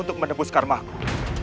untuk menembus karmaku